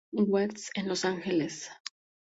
West" en Los Ángeles.